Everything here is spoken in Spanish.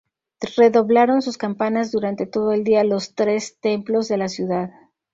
Redoblaron sus campanas, durante todo el día, los tres templos de la Ciudad.